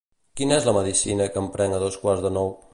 Quina és la medicina que em prenc a dos quarts de nou?